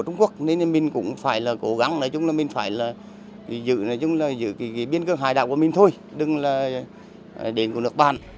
nên mình cũng phải cố gắng mình phải giữ biên cương hải đạo của mình thôi đừng là điện của nước bạn